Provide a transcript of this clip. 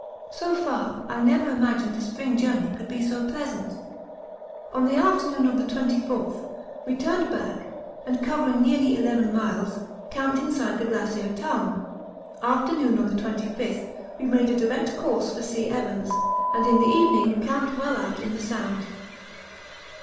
So far, I never imagined a spring journey could be so pleasant. On the afternoon of the 24th we turned back, and covering nearly eleven miles, camped inside the Glacier Tongue. After noon on the 25th we made a direct course for C. Evans, and in the evening camped well out in the Sound.